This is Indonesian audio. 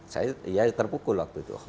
saya ya terpukul waktu itu